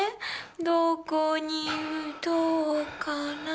どこに打とうかな。